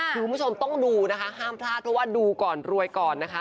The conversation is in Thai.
คุณผู้ชมต้องดูนะคะห้ามพลาดเพราะว่าดูก่อนรวยก่อนนะคะ